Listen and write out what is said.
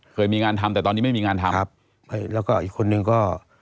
เคยมีงานทำแต่ตอนนี้ไม่มีงานทำครับแล้วก็อีกคนนึงก็